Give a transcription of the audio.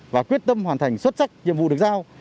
và quyết tâm hoàn thành xuất sắc nhiệm vụ được giao